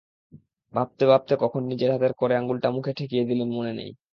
ভাবতে ভাবতে কখন নিজের হাতের কড়ে আঙুলটা মুখে ঠেকিয়ে দিলেন মনে নেই।